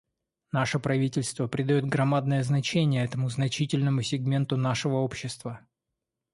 Наше правительство придает громадное значение этому значительному сегменту нашего общества.